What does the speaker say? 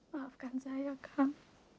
maafkan saya kak